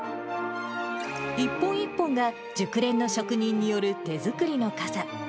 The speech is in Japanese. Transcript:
一本一本が熟練の職人による手作りの傘。